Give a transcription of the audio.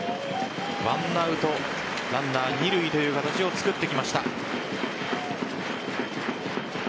１アウトランナー二塁という形を作ってきました。